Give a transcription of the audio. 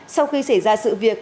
sau khi xảy ra sự việc